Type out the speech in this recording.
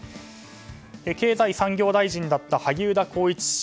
経済産業大臣だった萩生田光一氏